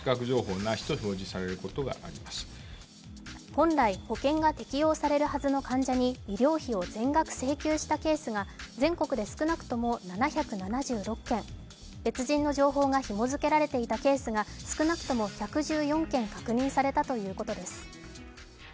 本来、保険が適用されるはずの患者に医療費を全額請求したケースが全国で少なくとも７７６件、別人の情報がひも付けられていたケースが少なくとも１１４件確認されたということです。